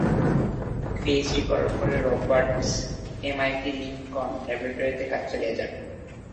PhD করার পরে Roberts MIT Lincoln ল্যাবরেটরিতে কাজ চালিয়ে যান।